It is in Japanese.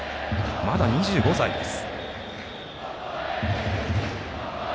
まだ２５歳です。